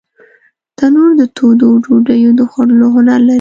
تنور د تودو ډوډیو د جوړولو هنر لري